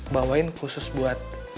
bawain khusus buat